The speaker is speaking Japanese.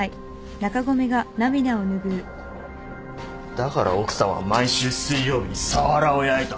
だから奥さんは毎週水曜日にサワラを焼いた。